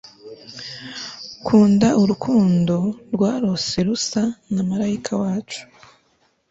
Kunda urukundo rwarose rusa na marayika wacu